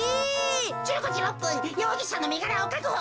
１５じ６ぷんようぎしゃのみがらをかくほ。